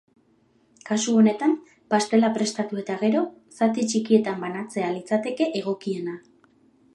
Kasu honetan, pastela prestatu eta gero, zati txikietan banatzea litzateke egokiena.